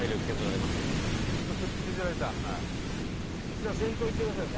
じゃあ先頭行ってくださいよ。